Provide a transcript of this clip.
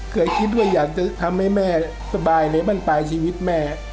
เคยคิดว่าอยากจะทำให้แม่สบายในบ้านปลายชีวิตแม่